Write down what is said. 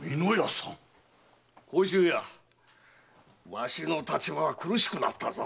わしの立場は苦しくなったぞ。